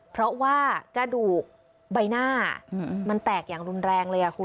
เพราะว่ากระดูกใบหน้ามันแตกอย่างรุนแรงเลยคุณ